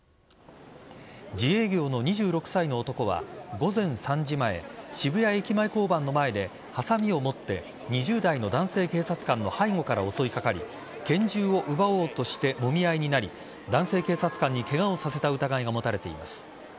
自営業の２６歳の男は午前３時前渋谷駅前交番の前ではさみを持って２０代の男性警察官の背後から襲いかかり拳銃を奪おうとしてもみ合いになり男性警察官にケガをさせた疑いが持たれています。